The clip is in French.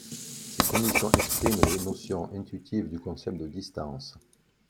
Ces conditions expriment les notions intuitives du concept de distance.